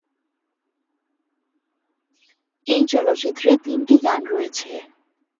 এই চলচ্চিত্রে তিনটি গান রয়েছে।